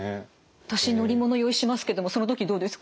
私乗り物酔いしますけどもその時どうですか？